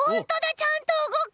ちゃんとうごく！